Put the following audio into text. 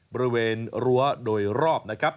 บริเวณรั้วโดยรอบนะครับ